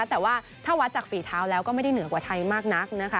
แต่ว่าถ้าวัดจากฝีเท้าแล้วก็ไม่เหมือนไทยมากนัก